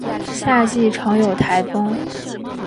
夏季常有台风。